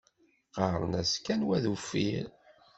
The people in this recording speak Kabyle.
Qqaṛen-as kan wa d uffir.